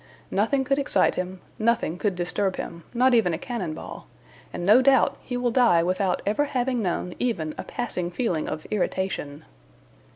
Nothing could excite him, nothing could disturb him, not even a cannon ball, and no doubt he will die without ever having known even a passing feeling of irritation.